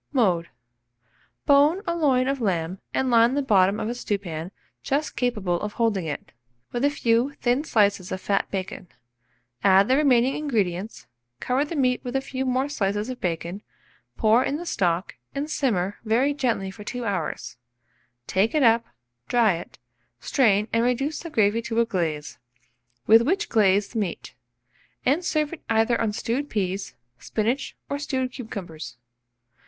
Mode. Bone a loin of lamb, and line the bottom of a stewpan just capable of holding it, with a few thin slices of fat bacon; add the remaining ingredients, cover the meat with a few more slices of bacon, pour in the stock, and simmer very gently for 2 hours; take it up, dry it, strain and reduce the gravy to a glaze, with which glaze the meat, and serve it either on stewed peas, spinach, or stewed cucumbers.